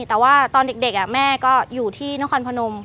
แต่ว่าตอนเด็กแม่ก็อยู่ที่นครพนม